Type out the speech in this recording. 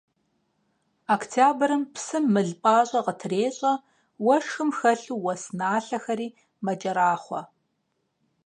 Октябрым псым мыл пӀащӀэ къытрещӀэ, уэшхым хэлъу уэс налъэхэри мэкӀэрахъуэ.